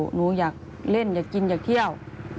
หนูอยากเล่นอยากกินอยากเที่ยว